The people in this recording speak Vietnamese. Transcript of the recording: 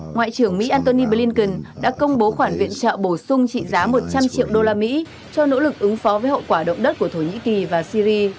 ngoại trưởng mỹ antony blinken đã công bố khoản viện trợ bổ sung trị giá một trăm linh triệu đô la mỹ cho nỗ lực ứng phó với hậu quả động đất của thổ nhĩ kỳ và syri